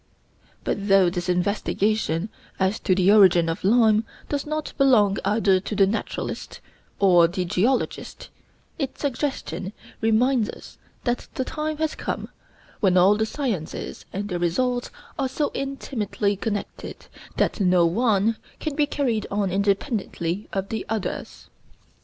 But though this investigation as to the origin of lime does not belong either to the naturalist or the geologist, its suggestion reminds us that the time has come when all the sciences and their results are so intimately connected that no one can be carried on independently of the others.